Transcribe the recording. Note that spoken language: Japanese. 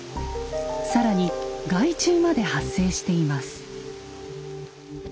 更に害虫まで発生しています。